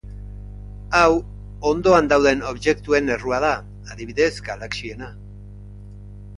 Hau hondoan dauden objektuen errua da, adibidez, galaxiena.